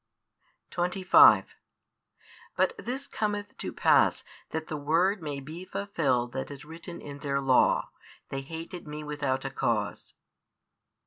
25 But this cometh to pass, that the word may he fulfilled that is written in their Law, They hated Me without a cause.